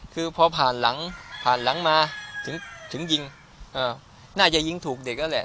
คือพอผ่านหลังผ่านหลังมาถึงถึงยิงน่าจะยิงถูกเด็กแล้วแหละ